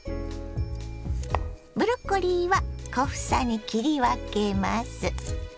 ブロッコリーは小房に切り分けます。